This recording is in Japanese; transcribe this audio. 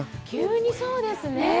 急にそうですね。